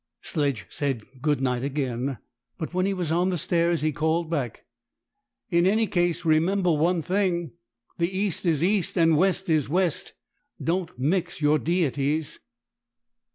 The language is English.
Sledge said "Good night" again, but when he was on the stairs he called back: "In any case remember one thing, that East is East and West is West. Don't mix your deities."